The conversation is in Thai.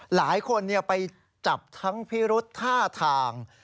หลายคนไปจับทั้งพิรุษท่าทาง